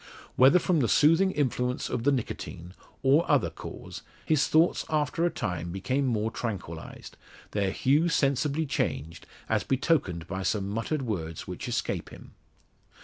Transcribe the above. Whether from the soothing influence of the nicotine, or other cause, his thoughts after a time became more tranquillised their hue sensibly changed, as betokened by some muttered words which escape him.